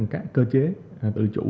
các cơ chế tự chủ